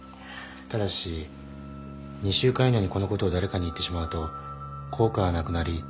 ただし２週間以内にこのことを誰かに言ってしまうと効果がなくなりさらなる不幸が。